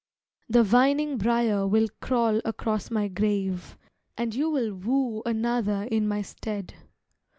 The vining brier will crawl across my grave, And you will woo another in my stead.